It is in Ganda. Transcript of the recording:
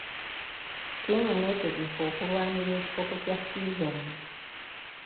Ttiimu neetegefu okulwanira ekikopo kya sizoni.